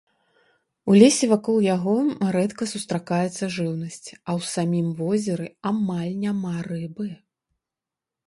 У лесе вакол яго рэдка сустракаецца жыўнасць, а ў самім возеры амаль няма рыбы.